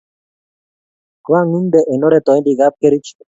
koang'unte eng' oret awendi kapkerich